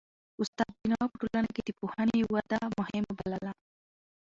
استاد بینوا په ټولنه کي د پوهنې وده مهمه بلله.